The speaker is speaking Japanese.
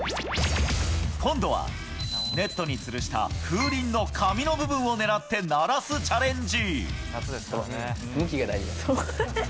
今度はネットにつるした風鈴の紙の部分を狙って鳴らすチャレンジ。